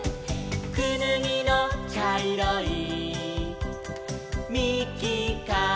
「くぬぎのちゃいろいみきからは」